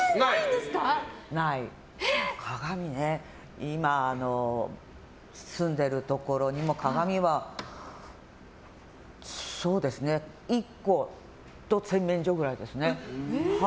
鏡ね、今住んでいるところにも鏡は、１個と洗面所ぐらいですね。